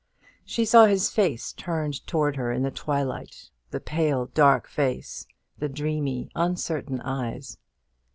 She saw his face turned towards her in the twilight the pale dark face the dreamy, uncertain eyes.